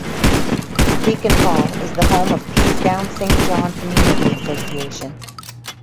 Beacon Hall is the home of the Peasedown Saint John Community Association.